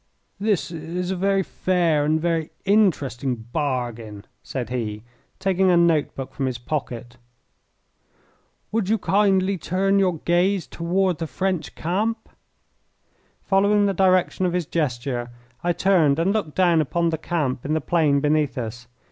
"This is a very fair and a very interesting bargain," said he, taking a note book from his pocket. "Would you kindly turn your gaze toward the French camp?" Following the direction of his gesture, I turned and looked down upon the camp in the plain beneath us.